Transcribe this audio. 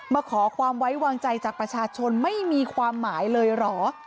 มาขอความไว้วางใจจากประชาชนไม่มีความหมายเลยเหรอ